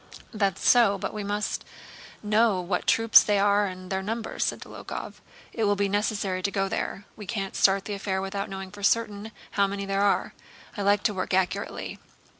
"That's so. But we must know what troops they are and their numbers," said Dólokhov. "It will be necessary to go there. We can't start the affair without knowing for certain how many there are. I like to work accurately.